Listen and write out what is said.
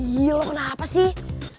gila lu kenapa sih